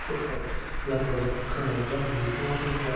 [Footnote: Letter of Col. W. Thornton, Jan.